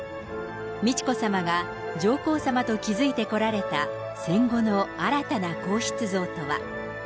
美智子さまが上皇さまと築いてこられた戦後の新たな皇室像とは。